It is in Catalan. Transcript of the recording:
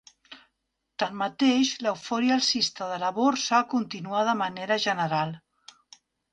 Tanmateix l'eufòria alcista de la borsa continua de manera general.